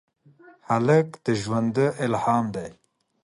هلک د ژونده الهام دی.